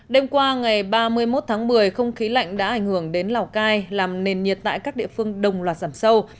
đêm qua ngày ba mươi một tháng một mươi không khí lạnh đã ảnh hưởng đến lào cai làm nền nhiệt tại các địa phương đồng loạt giảm sâu